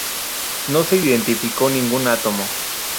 No se identificó ningún átomo.